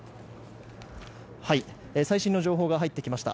最新の情報が入ってきました。